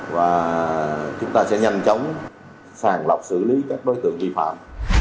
và chúng ta sẽ nhanh chóng sàng lọc xử lý các đối tượng vi phạm